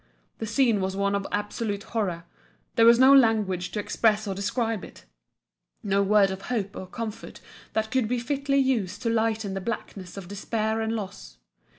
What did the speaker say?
The scene was one of absolute horror, there was no language to express or describe it no word of hope or comfort that could be fitly used to lighten the blackness of despair and loss.